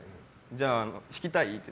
じゃあ、弾きたい？って。